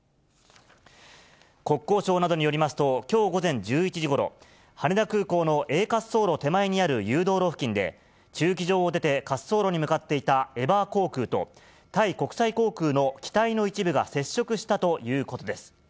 国交省などによりますと、きょう午前１１時ごろ、羽田空港のＡ滑走路手前にある誘導路付近で、駐機場を出て滑走路に向かっていたエバー航空と、タイ国際航空の機体の一部が接触したということです。